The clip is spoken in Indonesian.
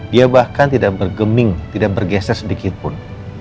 dia bahkan tidak bergeming tidak bergeser sedikitpun